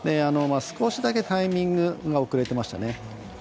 少しだけタイミングが遅れていましたね。